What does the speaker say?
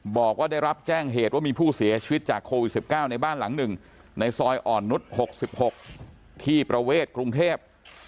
บอกว่าได้รับแจ้งเหตุว่ามีผู้เสียชีวิตจากโควิด๑๙ในบ้านหลังหนึ่งในซอยอ่อนนุษย์๖๖ที่ประเวทกรุงเทพ